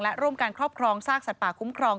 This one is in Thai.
และร่วมการครอบครองซากสัตว์ป่าคุ้มครอง